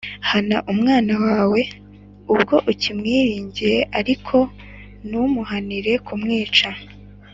hana umwana wawe ubwo ukimwiringiye, ariko ntumuhanire kumwica